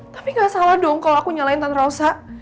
tapi gak salah dong kalo aku nyalain tante rossa